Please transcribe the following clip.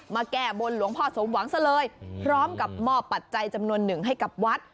แก้บนหลวงพ่อสมหวังซะเลยพร้อมกับมอบปัจจัยจำนวนหนึ่งให้กับวัด